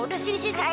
udah sini sini